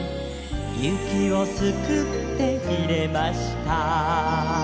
「雪をすくって入れました」